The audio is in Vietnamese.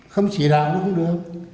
không chỉ đạo nó cũng được